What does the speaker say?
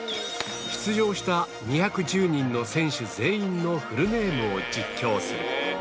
出場した２１０人の選手全員のフルネームを実況する。